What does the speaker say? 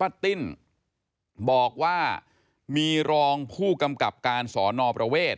ป้าติ้นบอกว่ามีรองผู้กำกับการสอนอประเวท